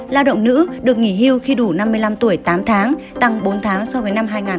lao động nữ được nghỉ hưu khi đủ năm mươi năm tuổi tám tháng tăng bốn tháng so với năm hai nghìn một mươi